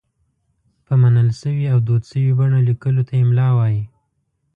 په منل شوې او دود شوې بڼه لیکلو ته املاء وايي.